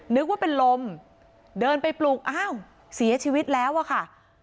นึกว่าเป็นลมเดินไปปลุกอ้าวเสียชีวิตแล้วอะค่ะ